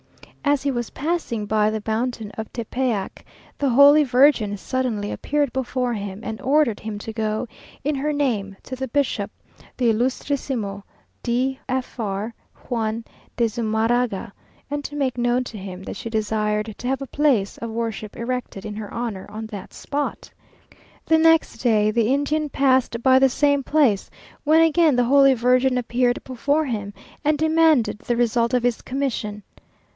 As he was passing by the mountain of Tepeyac, the Holy Virgin suddenly appeared before him and ordered him to go, in her name, to the bishop, the Ylustrisimo D. Fr. Juan de Zumarraga, and to make known to him that she desired to have a place of worship erected in her honour, on that spot. The next day the Indian passed by the same place, when again the Holy Virgin appeared before him, and demanded the result of his commission.